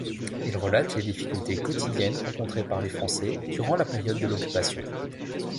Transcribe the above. Ils relatent les difficultés quotidiennes rencontrées par les Français durant la période de l'occupation.